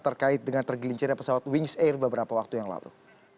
terkait dengan tergelincirnya pesawat wings air beberapa waktu yang lalu